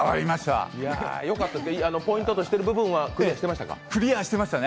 ポイントとしてる部分はクリアしてましたか？